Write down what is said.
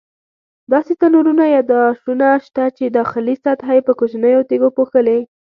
داسې تنورونه یا داشونه شته چې داخلي سطحه یې په کوچنیو تیږو پوښلې.